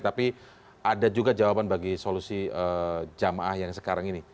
tapi ada juga jawaban bagi solusi jamaah yang sekarang ini